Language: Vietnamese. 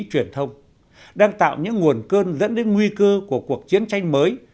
truyền thông đang tạo những nguồn cơn dẫn đến nguy cơ của cuộc chiến tranh mới